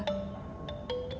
meminta jangan sampai memaksa